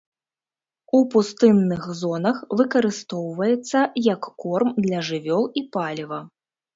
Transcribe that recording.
У пустынных зонах выкарыстоўваецца як корм для жывёл і паліва.